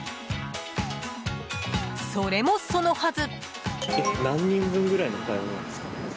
それもそのはず。